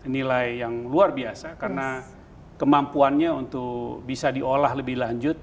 nilai yang luar biasa karena kemampuannya untuk bisa diolah lebih lanjut